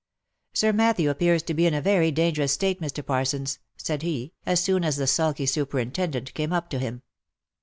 " Sir Matthew appears to be in a very dangerous state, Mr. Parsons," said he, as soon as the sulky superintendent came up to him.